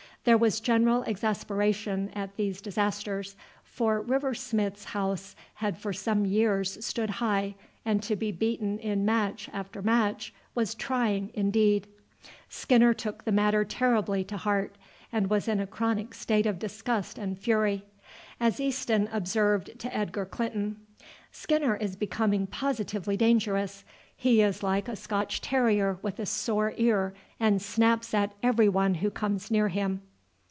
There was general exasperation at these disasters, for River Smith's House had for some years stood high, and to be beaten in match after match was trying indeed. Skinner took the matter terribly to heart, and was in a chronic state of disgust and fury. As Easton observed to Edgar Clinton: "Skinner is becoming positively dangerous. He is like a Scotch terrier with a sore ear, and snaps at every one who comes near him."